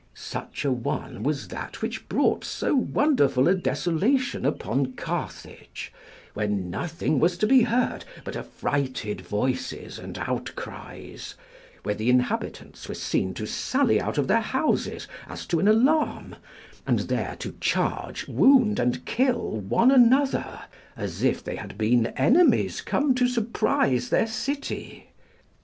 Such a one was that which brought so wonderful a desolation upon Carthage, where nothing was to be heard but affrighted voices and outcries; where the inhabitants were seen to sally out of their houses as to an alarm, and there to charge, wound, and kill one another, as if they had been enemies come to surprise their city.